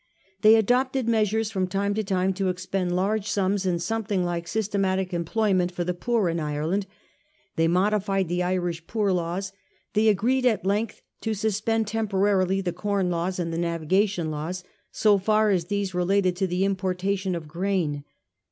They adopted measures from time to time to expend large sums in something like syste matic employment for the poor in Ireland ; they mo dified the Irish Poor Laws ; they agreed at length to suspend temporarily the Com Laws and the Naviga * tion Laws, so far as these related to the importation of grain.